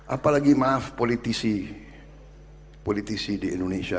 apalagi maaf politisi politisi di indonesia